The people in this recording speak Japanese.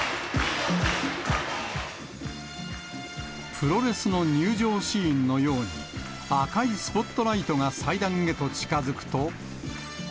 プロレスの入場シーンのように、赤いスポットライトが祭壇へと近づくと。